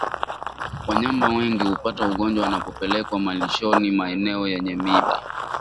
Wanyama wengi hupata ugonjwa wanapopelekwa malishoni maeneo yenye miiba